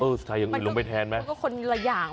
ใส่อย่างอื่นลงไปแทนไหมก็คนละอย่าง